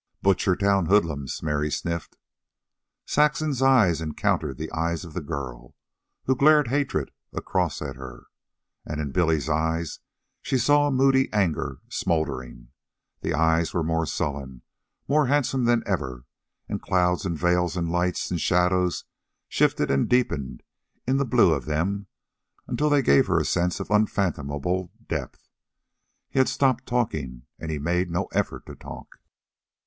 "Butchertown hoodlums," Mary sniffed. Saxon's eyes encountered the eyes of the girl, who glared hatred across at her. And in Billy's eyes she saw moody anger smouldering. The eyes were more sullen, more handsome than ever, and clouds and veils and lights and shadows shifted and deepened in the blue of them until they gave her a sense of unfathomable depth. He had stopped talking, and he made no effort to talk.